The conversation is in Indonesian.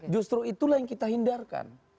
justru itulah yang kita hindarkan